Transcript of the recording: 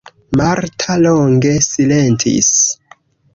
Marta longe silentis.